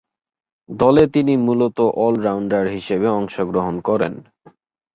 দলে তিনি মূলতঃ অল-রাউন্ডার হিসেবে অংশগ্রহণ করেন।